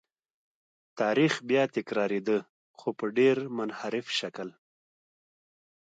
تاریخ بیا تکرارېده خو په ډېر منحرف شکل.